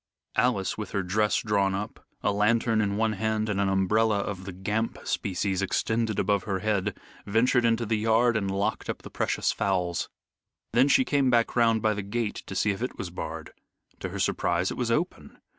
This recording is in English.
Alice, with her dress drawn up, a lantern in one hand and an umbrella of the Gamp species extended above her head, ventured into the yard, and locked up the precious fowls. Then she came back round by the gate to see if it was barred. To her surprise it was open.